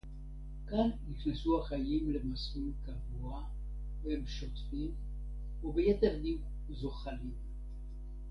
כָּאן נִכְנְסוּ הַחַיִּים לְמַסְלוּל קָבוּעַ וְהֵם שׁוֹטְפִים, אוֹ, בְּיֶתֶר דִּיּוּק, זוֹחֲלִים.